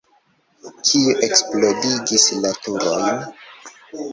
Kiu eksplodigis la turojn?